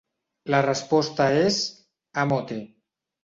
La resposta és «ámote».